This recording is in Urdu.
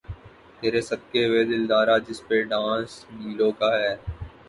''تیرے صدقے وے دلدارا‘‘ جس پہ ڈانس نیلو کا ہے۔